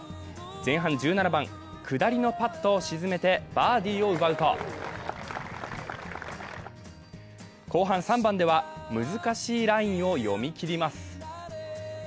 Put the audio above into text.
前半１７番、下りのパットを沈めてバーディーを奪うと、後半３番では、難しいラインを読み切ります。